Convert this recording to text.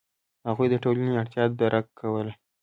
هغوی د ټولنې اړتیا درک کوله.